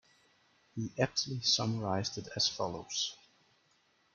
He aptly summarized it as follows.